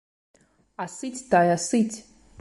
А сыць тая, сыць!